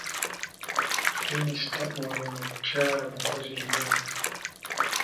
Minisita oyo mukyala mukozi nnyo.